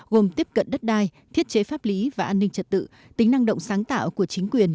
gồm tiếp cận đất đai thiết chế pháp lý và an ninh trật tự tính năng động sáng tạo của chính quyền